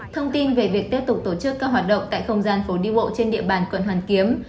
thông tin về việc tiếp tục tổ chức các hoạt động tại không gian phố đi bộ trên địa bàn quận hoàn kiếm